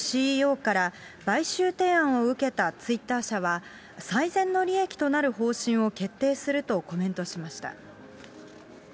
ＣＥＯから買収提案を受けたツイッター社は、最善の利益となる方針を決定するとコメントしました。